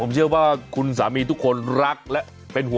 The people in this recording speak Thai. ผมเชื่อว่าคุณภรรยาก